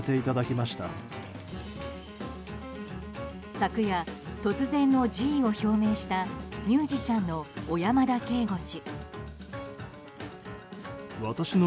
昨夜、突然の辞意を表明したミュージシャンの小山田圭吾氏。